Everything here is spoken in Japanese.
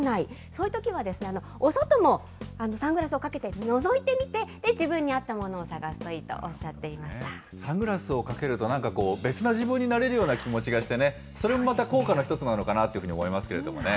そういうときは、お外もサングラスをかけて、のぞいてみて、自分に合ったものを探すといいとおっサングラスをかけると、なんかこう、別な自分になれるような気持ちがしてね、それもまた効果の一つなのかなと思いますけれどもね。